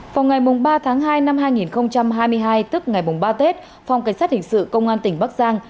vào ngày ba tháng hai năm hai nghìn hai mươi hai tức ngày ba tết phòng cảnh sát hình sự công an tỉnh bắc giang